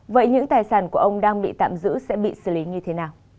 vậy những tài sản của ông đang bị tạm giữ sẽ bị xử lý như thế nào